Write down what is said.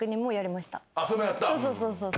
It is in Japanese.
そうそうそう。